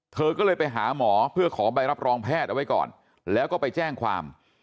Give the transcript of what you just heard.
เธอก็เลยไปหาหมอเพื่อขอใบรับรองแพทย์เอาไว้ก่อนแล้วก็ไปแจ้งความ